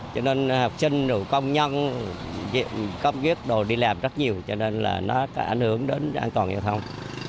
cho nên học sinh công nhân công việc đồ đi làm rất nhiều cho nên là nó có ảnh hưởng đến an toàn giao thông